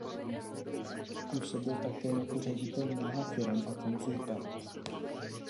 Působil také jako ředitel mnoha firem a konzultant.